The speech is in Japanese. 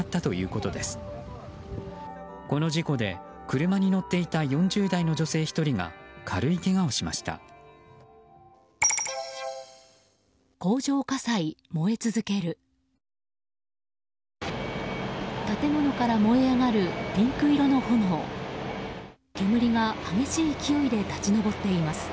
この事故で、車に乗っていた４０代の女性１人が軽いけがをしました。